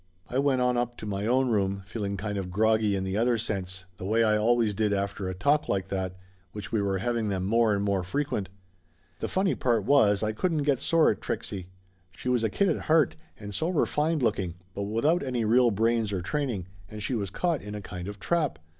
I went on up to my own room, feeling kind of groggy in the other sense, the way I always did after a talk like that, which we were having them more and more frequent. The funny part was, I couldn't get sore at Trixie. She was a kid at heart, and so refined looking, but without any real brains or training, and she was caught in a kind of trap.